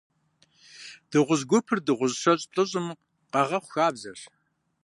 Дыгъужь гупыр дыгъужь щэщӏ-плӏыщӏым къагъэхъу хабзэщ.